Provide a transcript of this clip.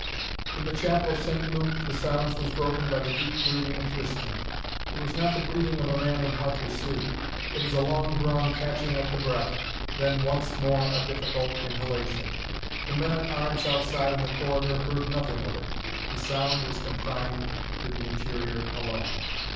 In the chapel of St. Luke the silence was broken by the deep breathing of Tristan. It was not the breathing of a man in healthy sleep. It was a long drawn catching at the breath, then once more a difficult inhalation. The men at arms outside in the corridor heard nothing of it. The sound was confined to the interior alone.